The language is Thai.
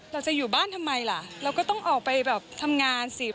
เราจะอยู่บ้านทำไมล่ะเราก็ต้องออกไปแบบทำงานสิ